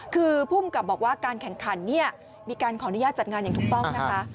คือภูมิกับบอกว่าการแข่งขันเนี่ยมีการขออนุญาตจัดงานอย่างถูกต้องนะคะ